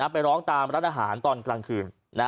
ไปร้องตามร้านอาหารตอนกลางคืน